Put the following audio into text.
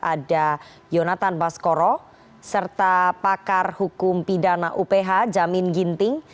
ada yonatan baskoro serta pakar hukum pidana uph jamin ginting